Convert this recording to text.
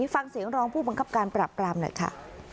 ฟังเสียงรองผู้บังคับการปรับปรามหน่อยค่ะ